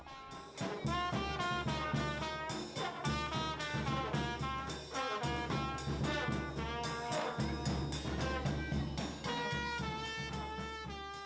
mereka juga mencari jalan untuk mencari musik yang lebih menarik